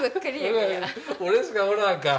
俺しかおらんか。